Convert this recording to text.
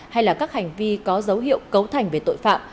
hay là các hành vi có dấu hiệu cấu thành về tội phạm